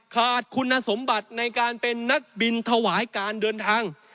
ขาดคุณสมบัติในการเป็นนักบินถวายการเดินทาง